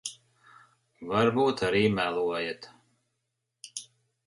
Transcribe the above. Varbūt arī melojat.